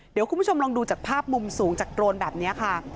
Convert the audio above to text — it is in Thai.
เดี๋ยวคุณผู้ชมลองดูจากภาพมุมสูงจากโดรนแบบนี้ค่ะ